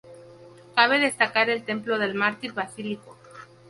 Cabe destacar el templo del Mártir Basilisco.